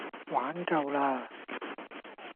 玩夠啦